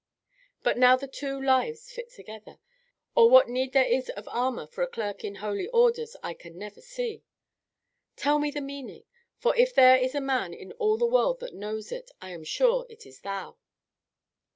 But how the two lives fit together, or what need there is of armour for a clerk in holy orders, I can never see. Tell me the meaning, for if there is a man in all the world that knows it, I am sure it is thou."